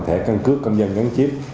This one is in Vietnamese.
thẻ cân cước công dân gắn chip